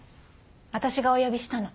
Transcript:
私がお呼びしたの。